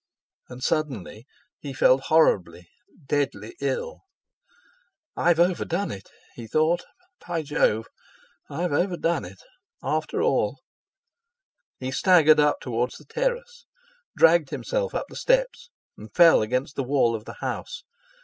And suddenly, he felt horribly—deadly ill. 'I've over done it!' he thought: 'by Jove! I've overdone it—after all!' He staggered up toward the terrace, dragged himself up the steps, and fell against the wall of the house.